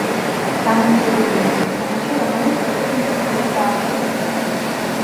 გამარჯვებულია ის მოთამაშე, რომელიც სხვებზე მეტ ქულას დააგროვებს.